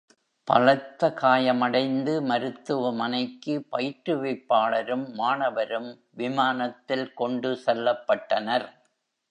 பலத்த காயமடைந்து மருத்துவமனைக்கு பயிற்றுவிப்பாளரும் மாணவரும் விமானத்தில் கொண்டு செல்லப்பட்டனர்.